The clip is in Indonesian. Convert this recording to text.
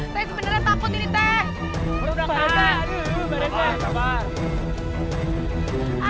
saya sebenarnya takut ini teh